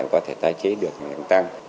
mà có thể tái chế được đang tăng